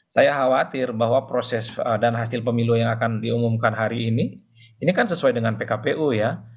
saya khawatir bahwa proses dan hasil pemilu yang akan diumumkan hari ini ini kan sesuai dengan pkpu ya